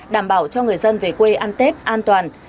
đảm bảo cho người dân về quê ăn tết an toàn